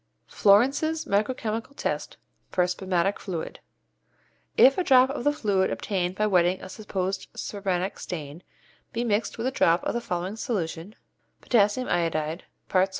Florence's Micro Chemical Test for Spermatic Fluid. If a drop of the fluid obtained by wetting a supposed spermatic stain be mixed with a drop of the following solution (KI, parts 1.